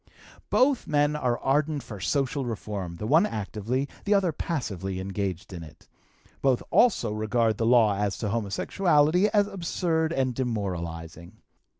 "Both men are ardent for social reform, the one actively, the other passively engaged in it. Both also regard the law as to homosexuality as absurd and demoralizing.